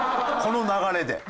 この流れで。